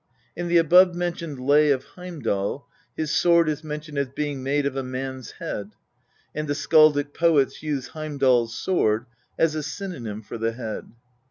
In the above mentioned " Lay of Heimdal " his sword is mentioned as being made of a " man's head," and the skaldic poets use " Heimdal's sword " as a synonym for the head.